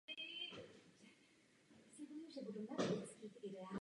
Listy jsou řapíkaté.